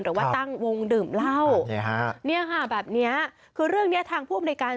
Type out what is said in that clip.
หรือว่าตั้งวงดื่มเหล้าแบบนี้ค่ะคือเรื่องนี้ทางผู้บริการ